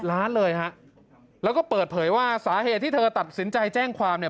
ล้านเลยฮะแล้วก็เปิดเผยว่าสาเหตุที่เธอตัดสินใจแจ้งความเนี่ย